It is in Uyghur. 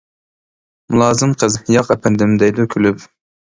مۇلازىم قىز: ياق ئەپەندىم دەيدۇ كۈلۈپ.